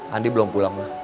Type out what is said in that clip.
andi belum pulang mah